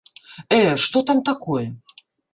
Э, што там такое!